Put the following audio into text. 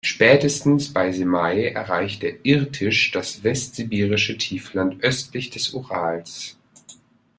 Spätestens bei Semei erreicht der Irtysch das Westsibirische Tiefland östlich des Urals.